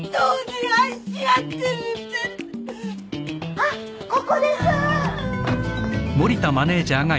あっここです！